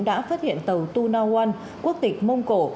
đã phát hiện tàu tuna one quốc tịch mông cổ